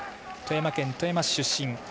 富山県富山市出身。